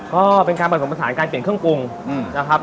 ก็เป็นการผสมผสานการเปลี่ยนเครื่องปรุงนะครับ